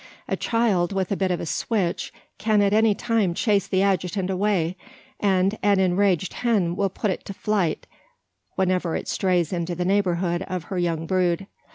A child, with a bit of a switch, can at any time chase the adjutant away; and an enraged hen will put it to flight whenever it strays into the neighbourhood of her young brood.